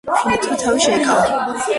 ფინეთმა თავი შეიკავა.